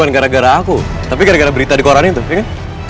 l views kasihnya statistics ini susah banget